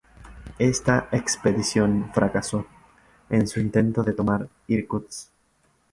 Esta expedición fracasó en su intento de tomar Irkutsk.